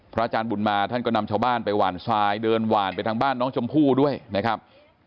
อาจารย์บุญมาท่านก็นำชาวบ้านไปหวานทรายเดินหว่านไปทางบ้านน้องชมพู่ด้วยนะครับ